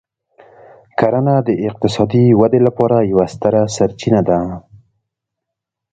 کرنه د اقتصادي ودې لپاره یوه ستره سرچینه ده.